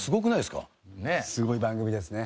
すごい番組ですね。